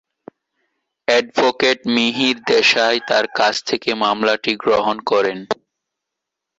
Advocate Mihir Desai তার কাছ থেকে মামলাটি গ্রহণ করেন।